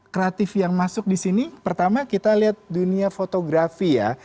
kreatif yang masuk di sini pertama kita lihat dunia fotografi ya